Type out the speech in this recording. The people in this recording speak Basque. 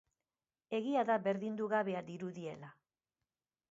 Egia da berdindugabea dirudiela.